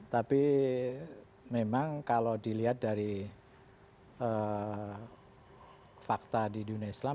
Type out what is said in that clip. tapi memang kalau dilihat dari fakta di dunia islam